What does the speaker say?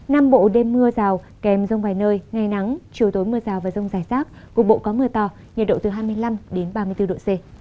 nam bộ đêm mưa rào kèm rông vài nơi ngày nắng chiều tối mưa rào và rông rải rác cục bộ có mưa to nhiệt độ từ hai mươi năm ba mươi bốn độ c